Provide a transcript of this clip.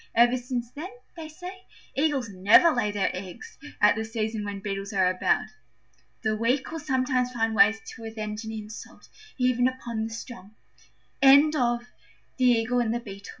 Ever since then, they say, Eagles never lay their eggs at the season when Beetles are about. The weak will sometimes find ways to avenge an insult, even upon the strong. THE FOWLER AND THE LARK A Fowler was set